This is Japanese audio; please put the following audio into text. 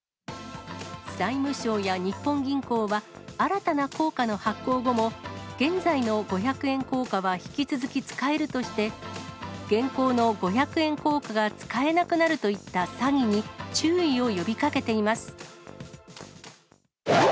財務省や日本銀行は、新たな硬貨の発行後も、現在の五百円硬貨は引き続き使えるとして、現行の五百円硬貨が使えなくなるといった詐欺に注意を呼びかけています。